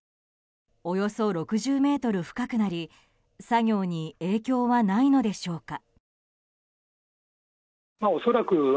およそ６０ｍ深くなり作業に影響はないのでしょうか。